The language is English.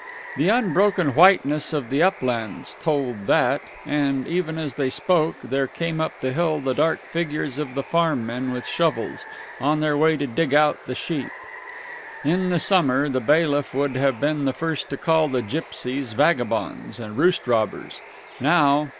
The unbroken whiteness of the uplands told that, and, even as they spoke, there came up the hill the dark figures of the farm men with shovels, on their way to dig out the sheep. In the summer, the bailiff would have been the first to call the gipsies vagabonds and roost robbers; now